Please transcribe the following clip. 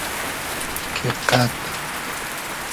کی قئد